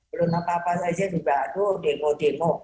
belum apa apa saja juga aduh demo demo